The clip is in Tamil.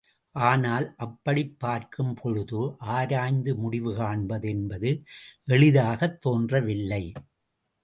ஆனால், அப்படிப் பார்க்கும்பொழுது, ஆராய்ந்து முடிவு காண்பது என்பது எளிதாகத் தோன்றவில்லை.